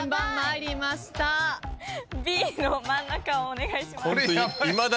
Ｂの真ん中お願いします。